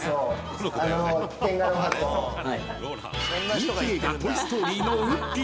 ［人気映画『トイ・ストーリー』のウッディ］